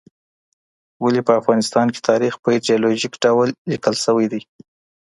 ولې په افغانستان کې تاریخ په ایډیالوژیک ډول لیکل سوی دی؟